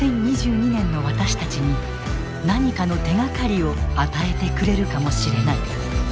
２０２２年の私たちに何かの手がかりを与えてくれるかもしれない。